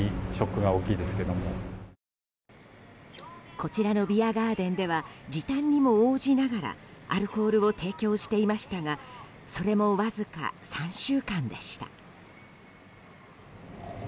こちらのビアガーデンでは時短にも応じながらアルコールを提供していましたがそれもわずか３週間でした。